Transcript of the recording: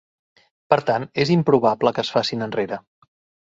Per tant, és improbable que es facin enrere.